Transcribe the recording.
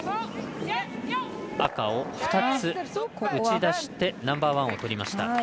赤を２つ打ち出してナンバーワンを取りました。